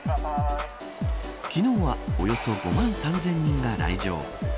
昨日はおよそ５万３０００人が来場。